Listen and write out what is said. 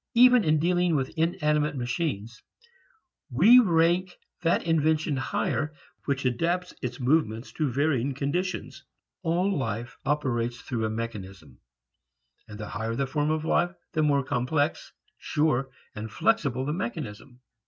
Even in dealing with inanimate machines we rank that invention higher which adapts its movements to varying conditions. All life operates through a mechanism, and the higher the form of life the more complex, sure and flexible the mechanism.